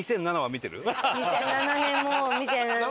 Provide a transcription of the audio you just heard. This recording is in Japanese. ２００７年も見てないですね。